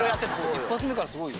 一発目からすごいよ。